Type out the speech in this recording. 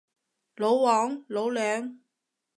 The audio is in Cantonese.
老黃，老梁